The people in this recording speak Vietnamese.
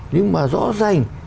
nhưng mà rõ ràng